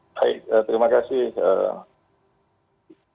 baik terima kasih